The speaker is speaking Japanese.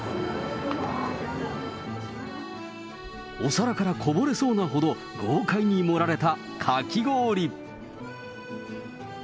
お皿からこぼれそうなほど、豪快に盛られたかき氷。